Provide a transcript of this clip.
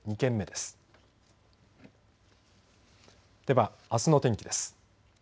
では、あすの天気です。